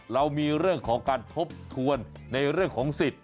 เรามีเรื่องของการทบทวนในเรื่องของสิทธิ